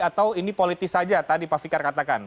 atau ini politis saja tadi pak fikar katakan